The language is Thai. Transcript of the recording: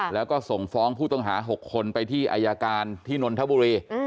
แล้วก็ส่งฟ้องผู้ต้องหา๖คนไปที่อายการที่นนทบุรี